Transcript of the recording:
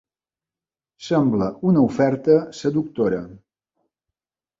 Sembla una oferta seductora.